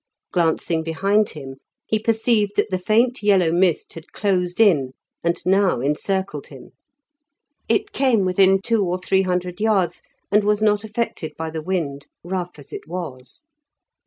Glancing behind him he perceived that the faint yellow mist had closed in and now encircled him. It came with two or three hundred yards, and was not affected by the wind, rough as it was.